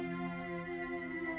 aku sudah berjalan